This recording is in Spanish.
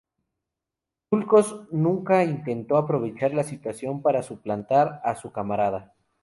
Duclos nunca intentó aprovechar la situación para suplantar a su camarada.